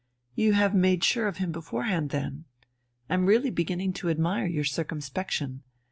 "You have made sure of him beforehand, then? I'm really beginning to admire your circumspection.